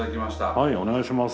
はいお願いします。